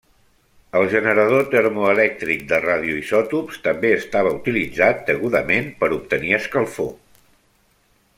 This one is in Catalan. El generador termoelèctric de radioisòtops també estava utilitzat degudament per obtenir escalfor.